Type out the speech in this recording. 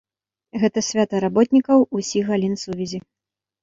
Гэта свята работнікаў усіх галін сувязі.